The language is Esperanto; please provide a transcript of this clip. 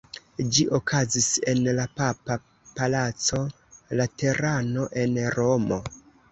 Ĝi okazis en la papa palaco Laterano en Romo.